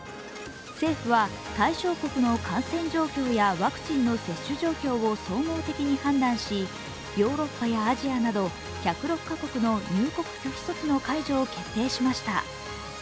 政府は対象国の感染状況やワクチンの接種状況を総合的に判断し、ヨーロッパやアジアなど１０６カ国の入国拒否措置の解除を決定しました。